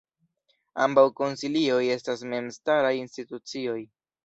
Ambaŭ konsilioj estas memstaraj institucioj.